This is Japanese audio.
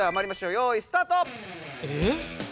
よいスタート。え？